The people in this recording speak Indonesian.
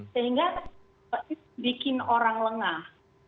sehingga bikin orang lengah